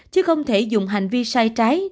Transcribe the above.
chứ không thể dùng hành vi sai trái